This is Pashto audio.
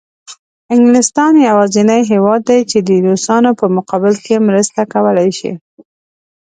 انګلستان یوازینی هېواد دی چې د روسانو په مقابل کې مرسته کولای شي.